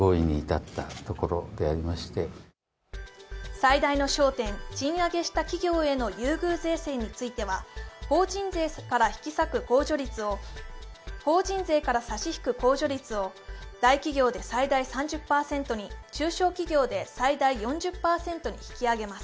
最大の焦点、賃上げした企業への優遇税制については法人税から差し引く控除率を大企業で最大３０％に、中小企業で最大４０％に引き上げます。